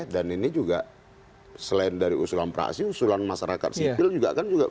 dan ini juga selain dari usulan praksi usulan masyarakat sipil juga kan menjadi bahan pertimbangan